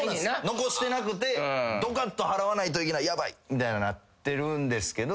残してなくてドカッと払わないといけないヤバいみたいなんなってるんですけど